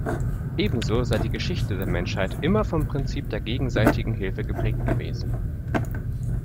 Ebenso sei die Geschichte der Menschheit immer vom Prinzip der gegenseitigen Hilfe geprägt gewesen.